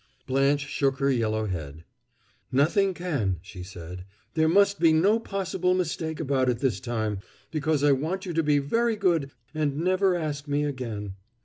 Blanche shook her yellow head. "Nothing can," she said. "There must be no possible mistake about it this time, because I want you to be very good and never ask me again.